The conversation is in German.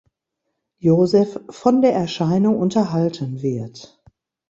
Joseph von der Erscheinung unterhalten wird.